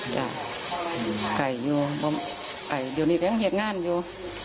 ใช่ครับข้ายอยู่อย่างนี้แหล่งเหตุงานอยู่